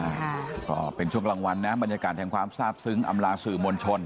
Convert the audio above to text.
ค่ะก็เป็นช่วงกลางวันนะบรรยากาศแห่งความทราบซึ้งอำลาสื่อมวลชน